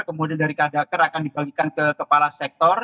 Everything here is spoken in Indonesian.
kemudian dari kadaker akan dibagikan ke kepala sektor